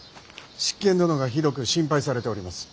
執権殿がひどく心配されております。